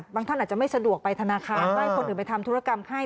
ท่านอาจจะไม่สะดวกไปธนาคารก็ให้คนอื่นไปทำธุรกรรมให้